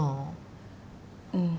うん。